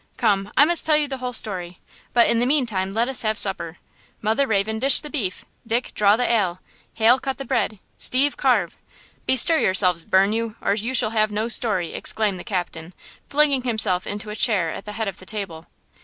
Come–I must tell you the whole story! But in the mean time let us have supper. Mother Raven, dish the beef! Dick, draw the ale! Hal, cut the bread! Steve, carve! Bestir yourselves, burn you, or you shall have no story!" exclaimed the captain, flinging himself into a chair at the head of the table.